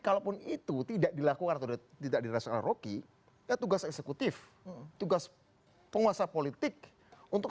kalaupun itu tidak dilakukan tidak dirasa roky ya tugas eksekutif tugas penguasa politik untuk